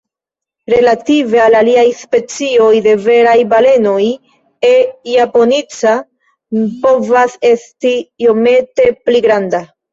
Relative al aliaj specioj de veraj balenoj, "E. japonica" povas esti iomete pli granda.